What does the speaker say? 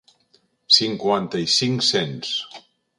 Cinquanta i cinc-cents.